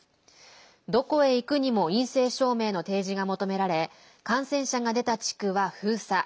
どこへ行くにも陰性証明の提示が求められ感染者が出た地区は封鎖。